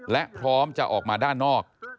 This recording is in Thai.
และพร้อมจะออกมาด้านนอก